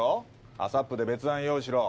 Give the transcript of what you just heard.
ＡＳＡＰで別案用意しろ。